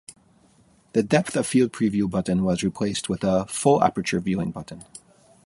The depth-of-field preview button was replaced with a 'Full-Aperture Viewing Button'.